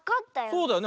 そうだよね。